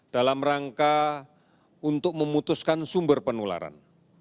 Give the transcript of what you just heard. dalam rangka untuk memutuskan sumber penularan